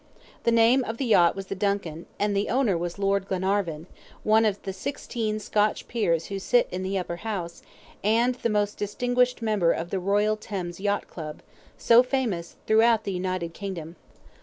The name of the yacht was the DUNCAN, and the owner was Lord Glenarvan, one of the sixteen Scotch peers who sit in the Upper House, and the most distinguished member of the Royal Thames Yacht Club, so famous throughout the United Kingdom.